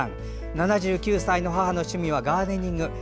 ７９歳の母の趣味はガーデニングです。